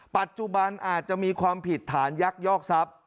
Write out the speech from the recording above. ปัจจุบันอาจจะมีความผิดฐานยักยอกทรัพย์